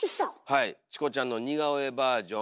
チコちゃんの似顔絵バージョン。